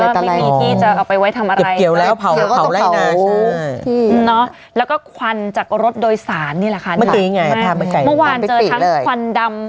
เตอร์ก็จะให้เราเป็นคนพูดใช่มะเราจะไม่พูด